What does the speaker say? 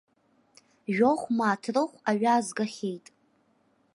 Жәохә мааҭ рыхә аҩы аазгахьеит.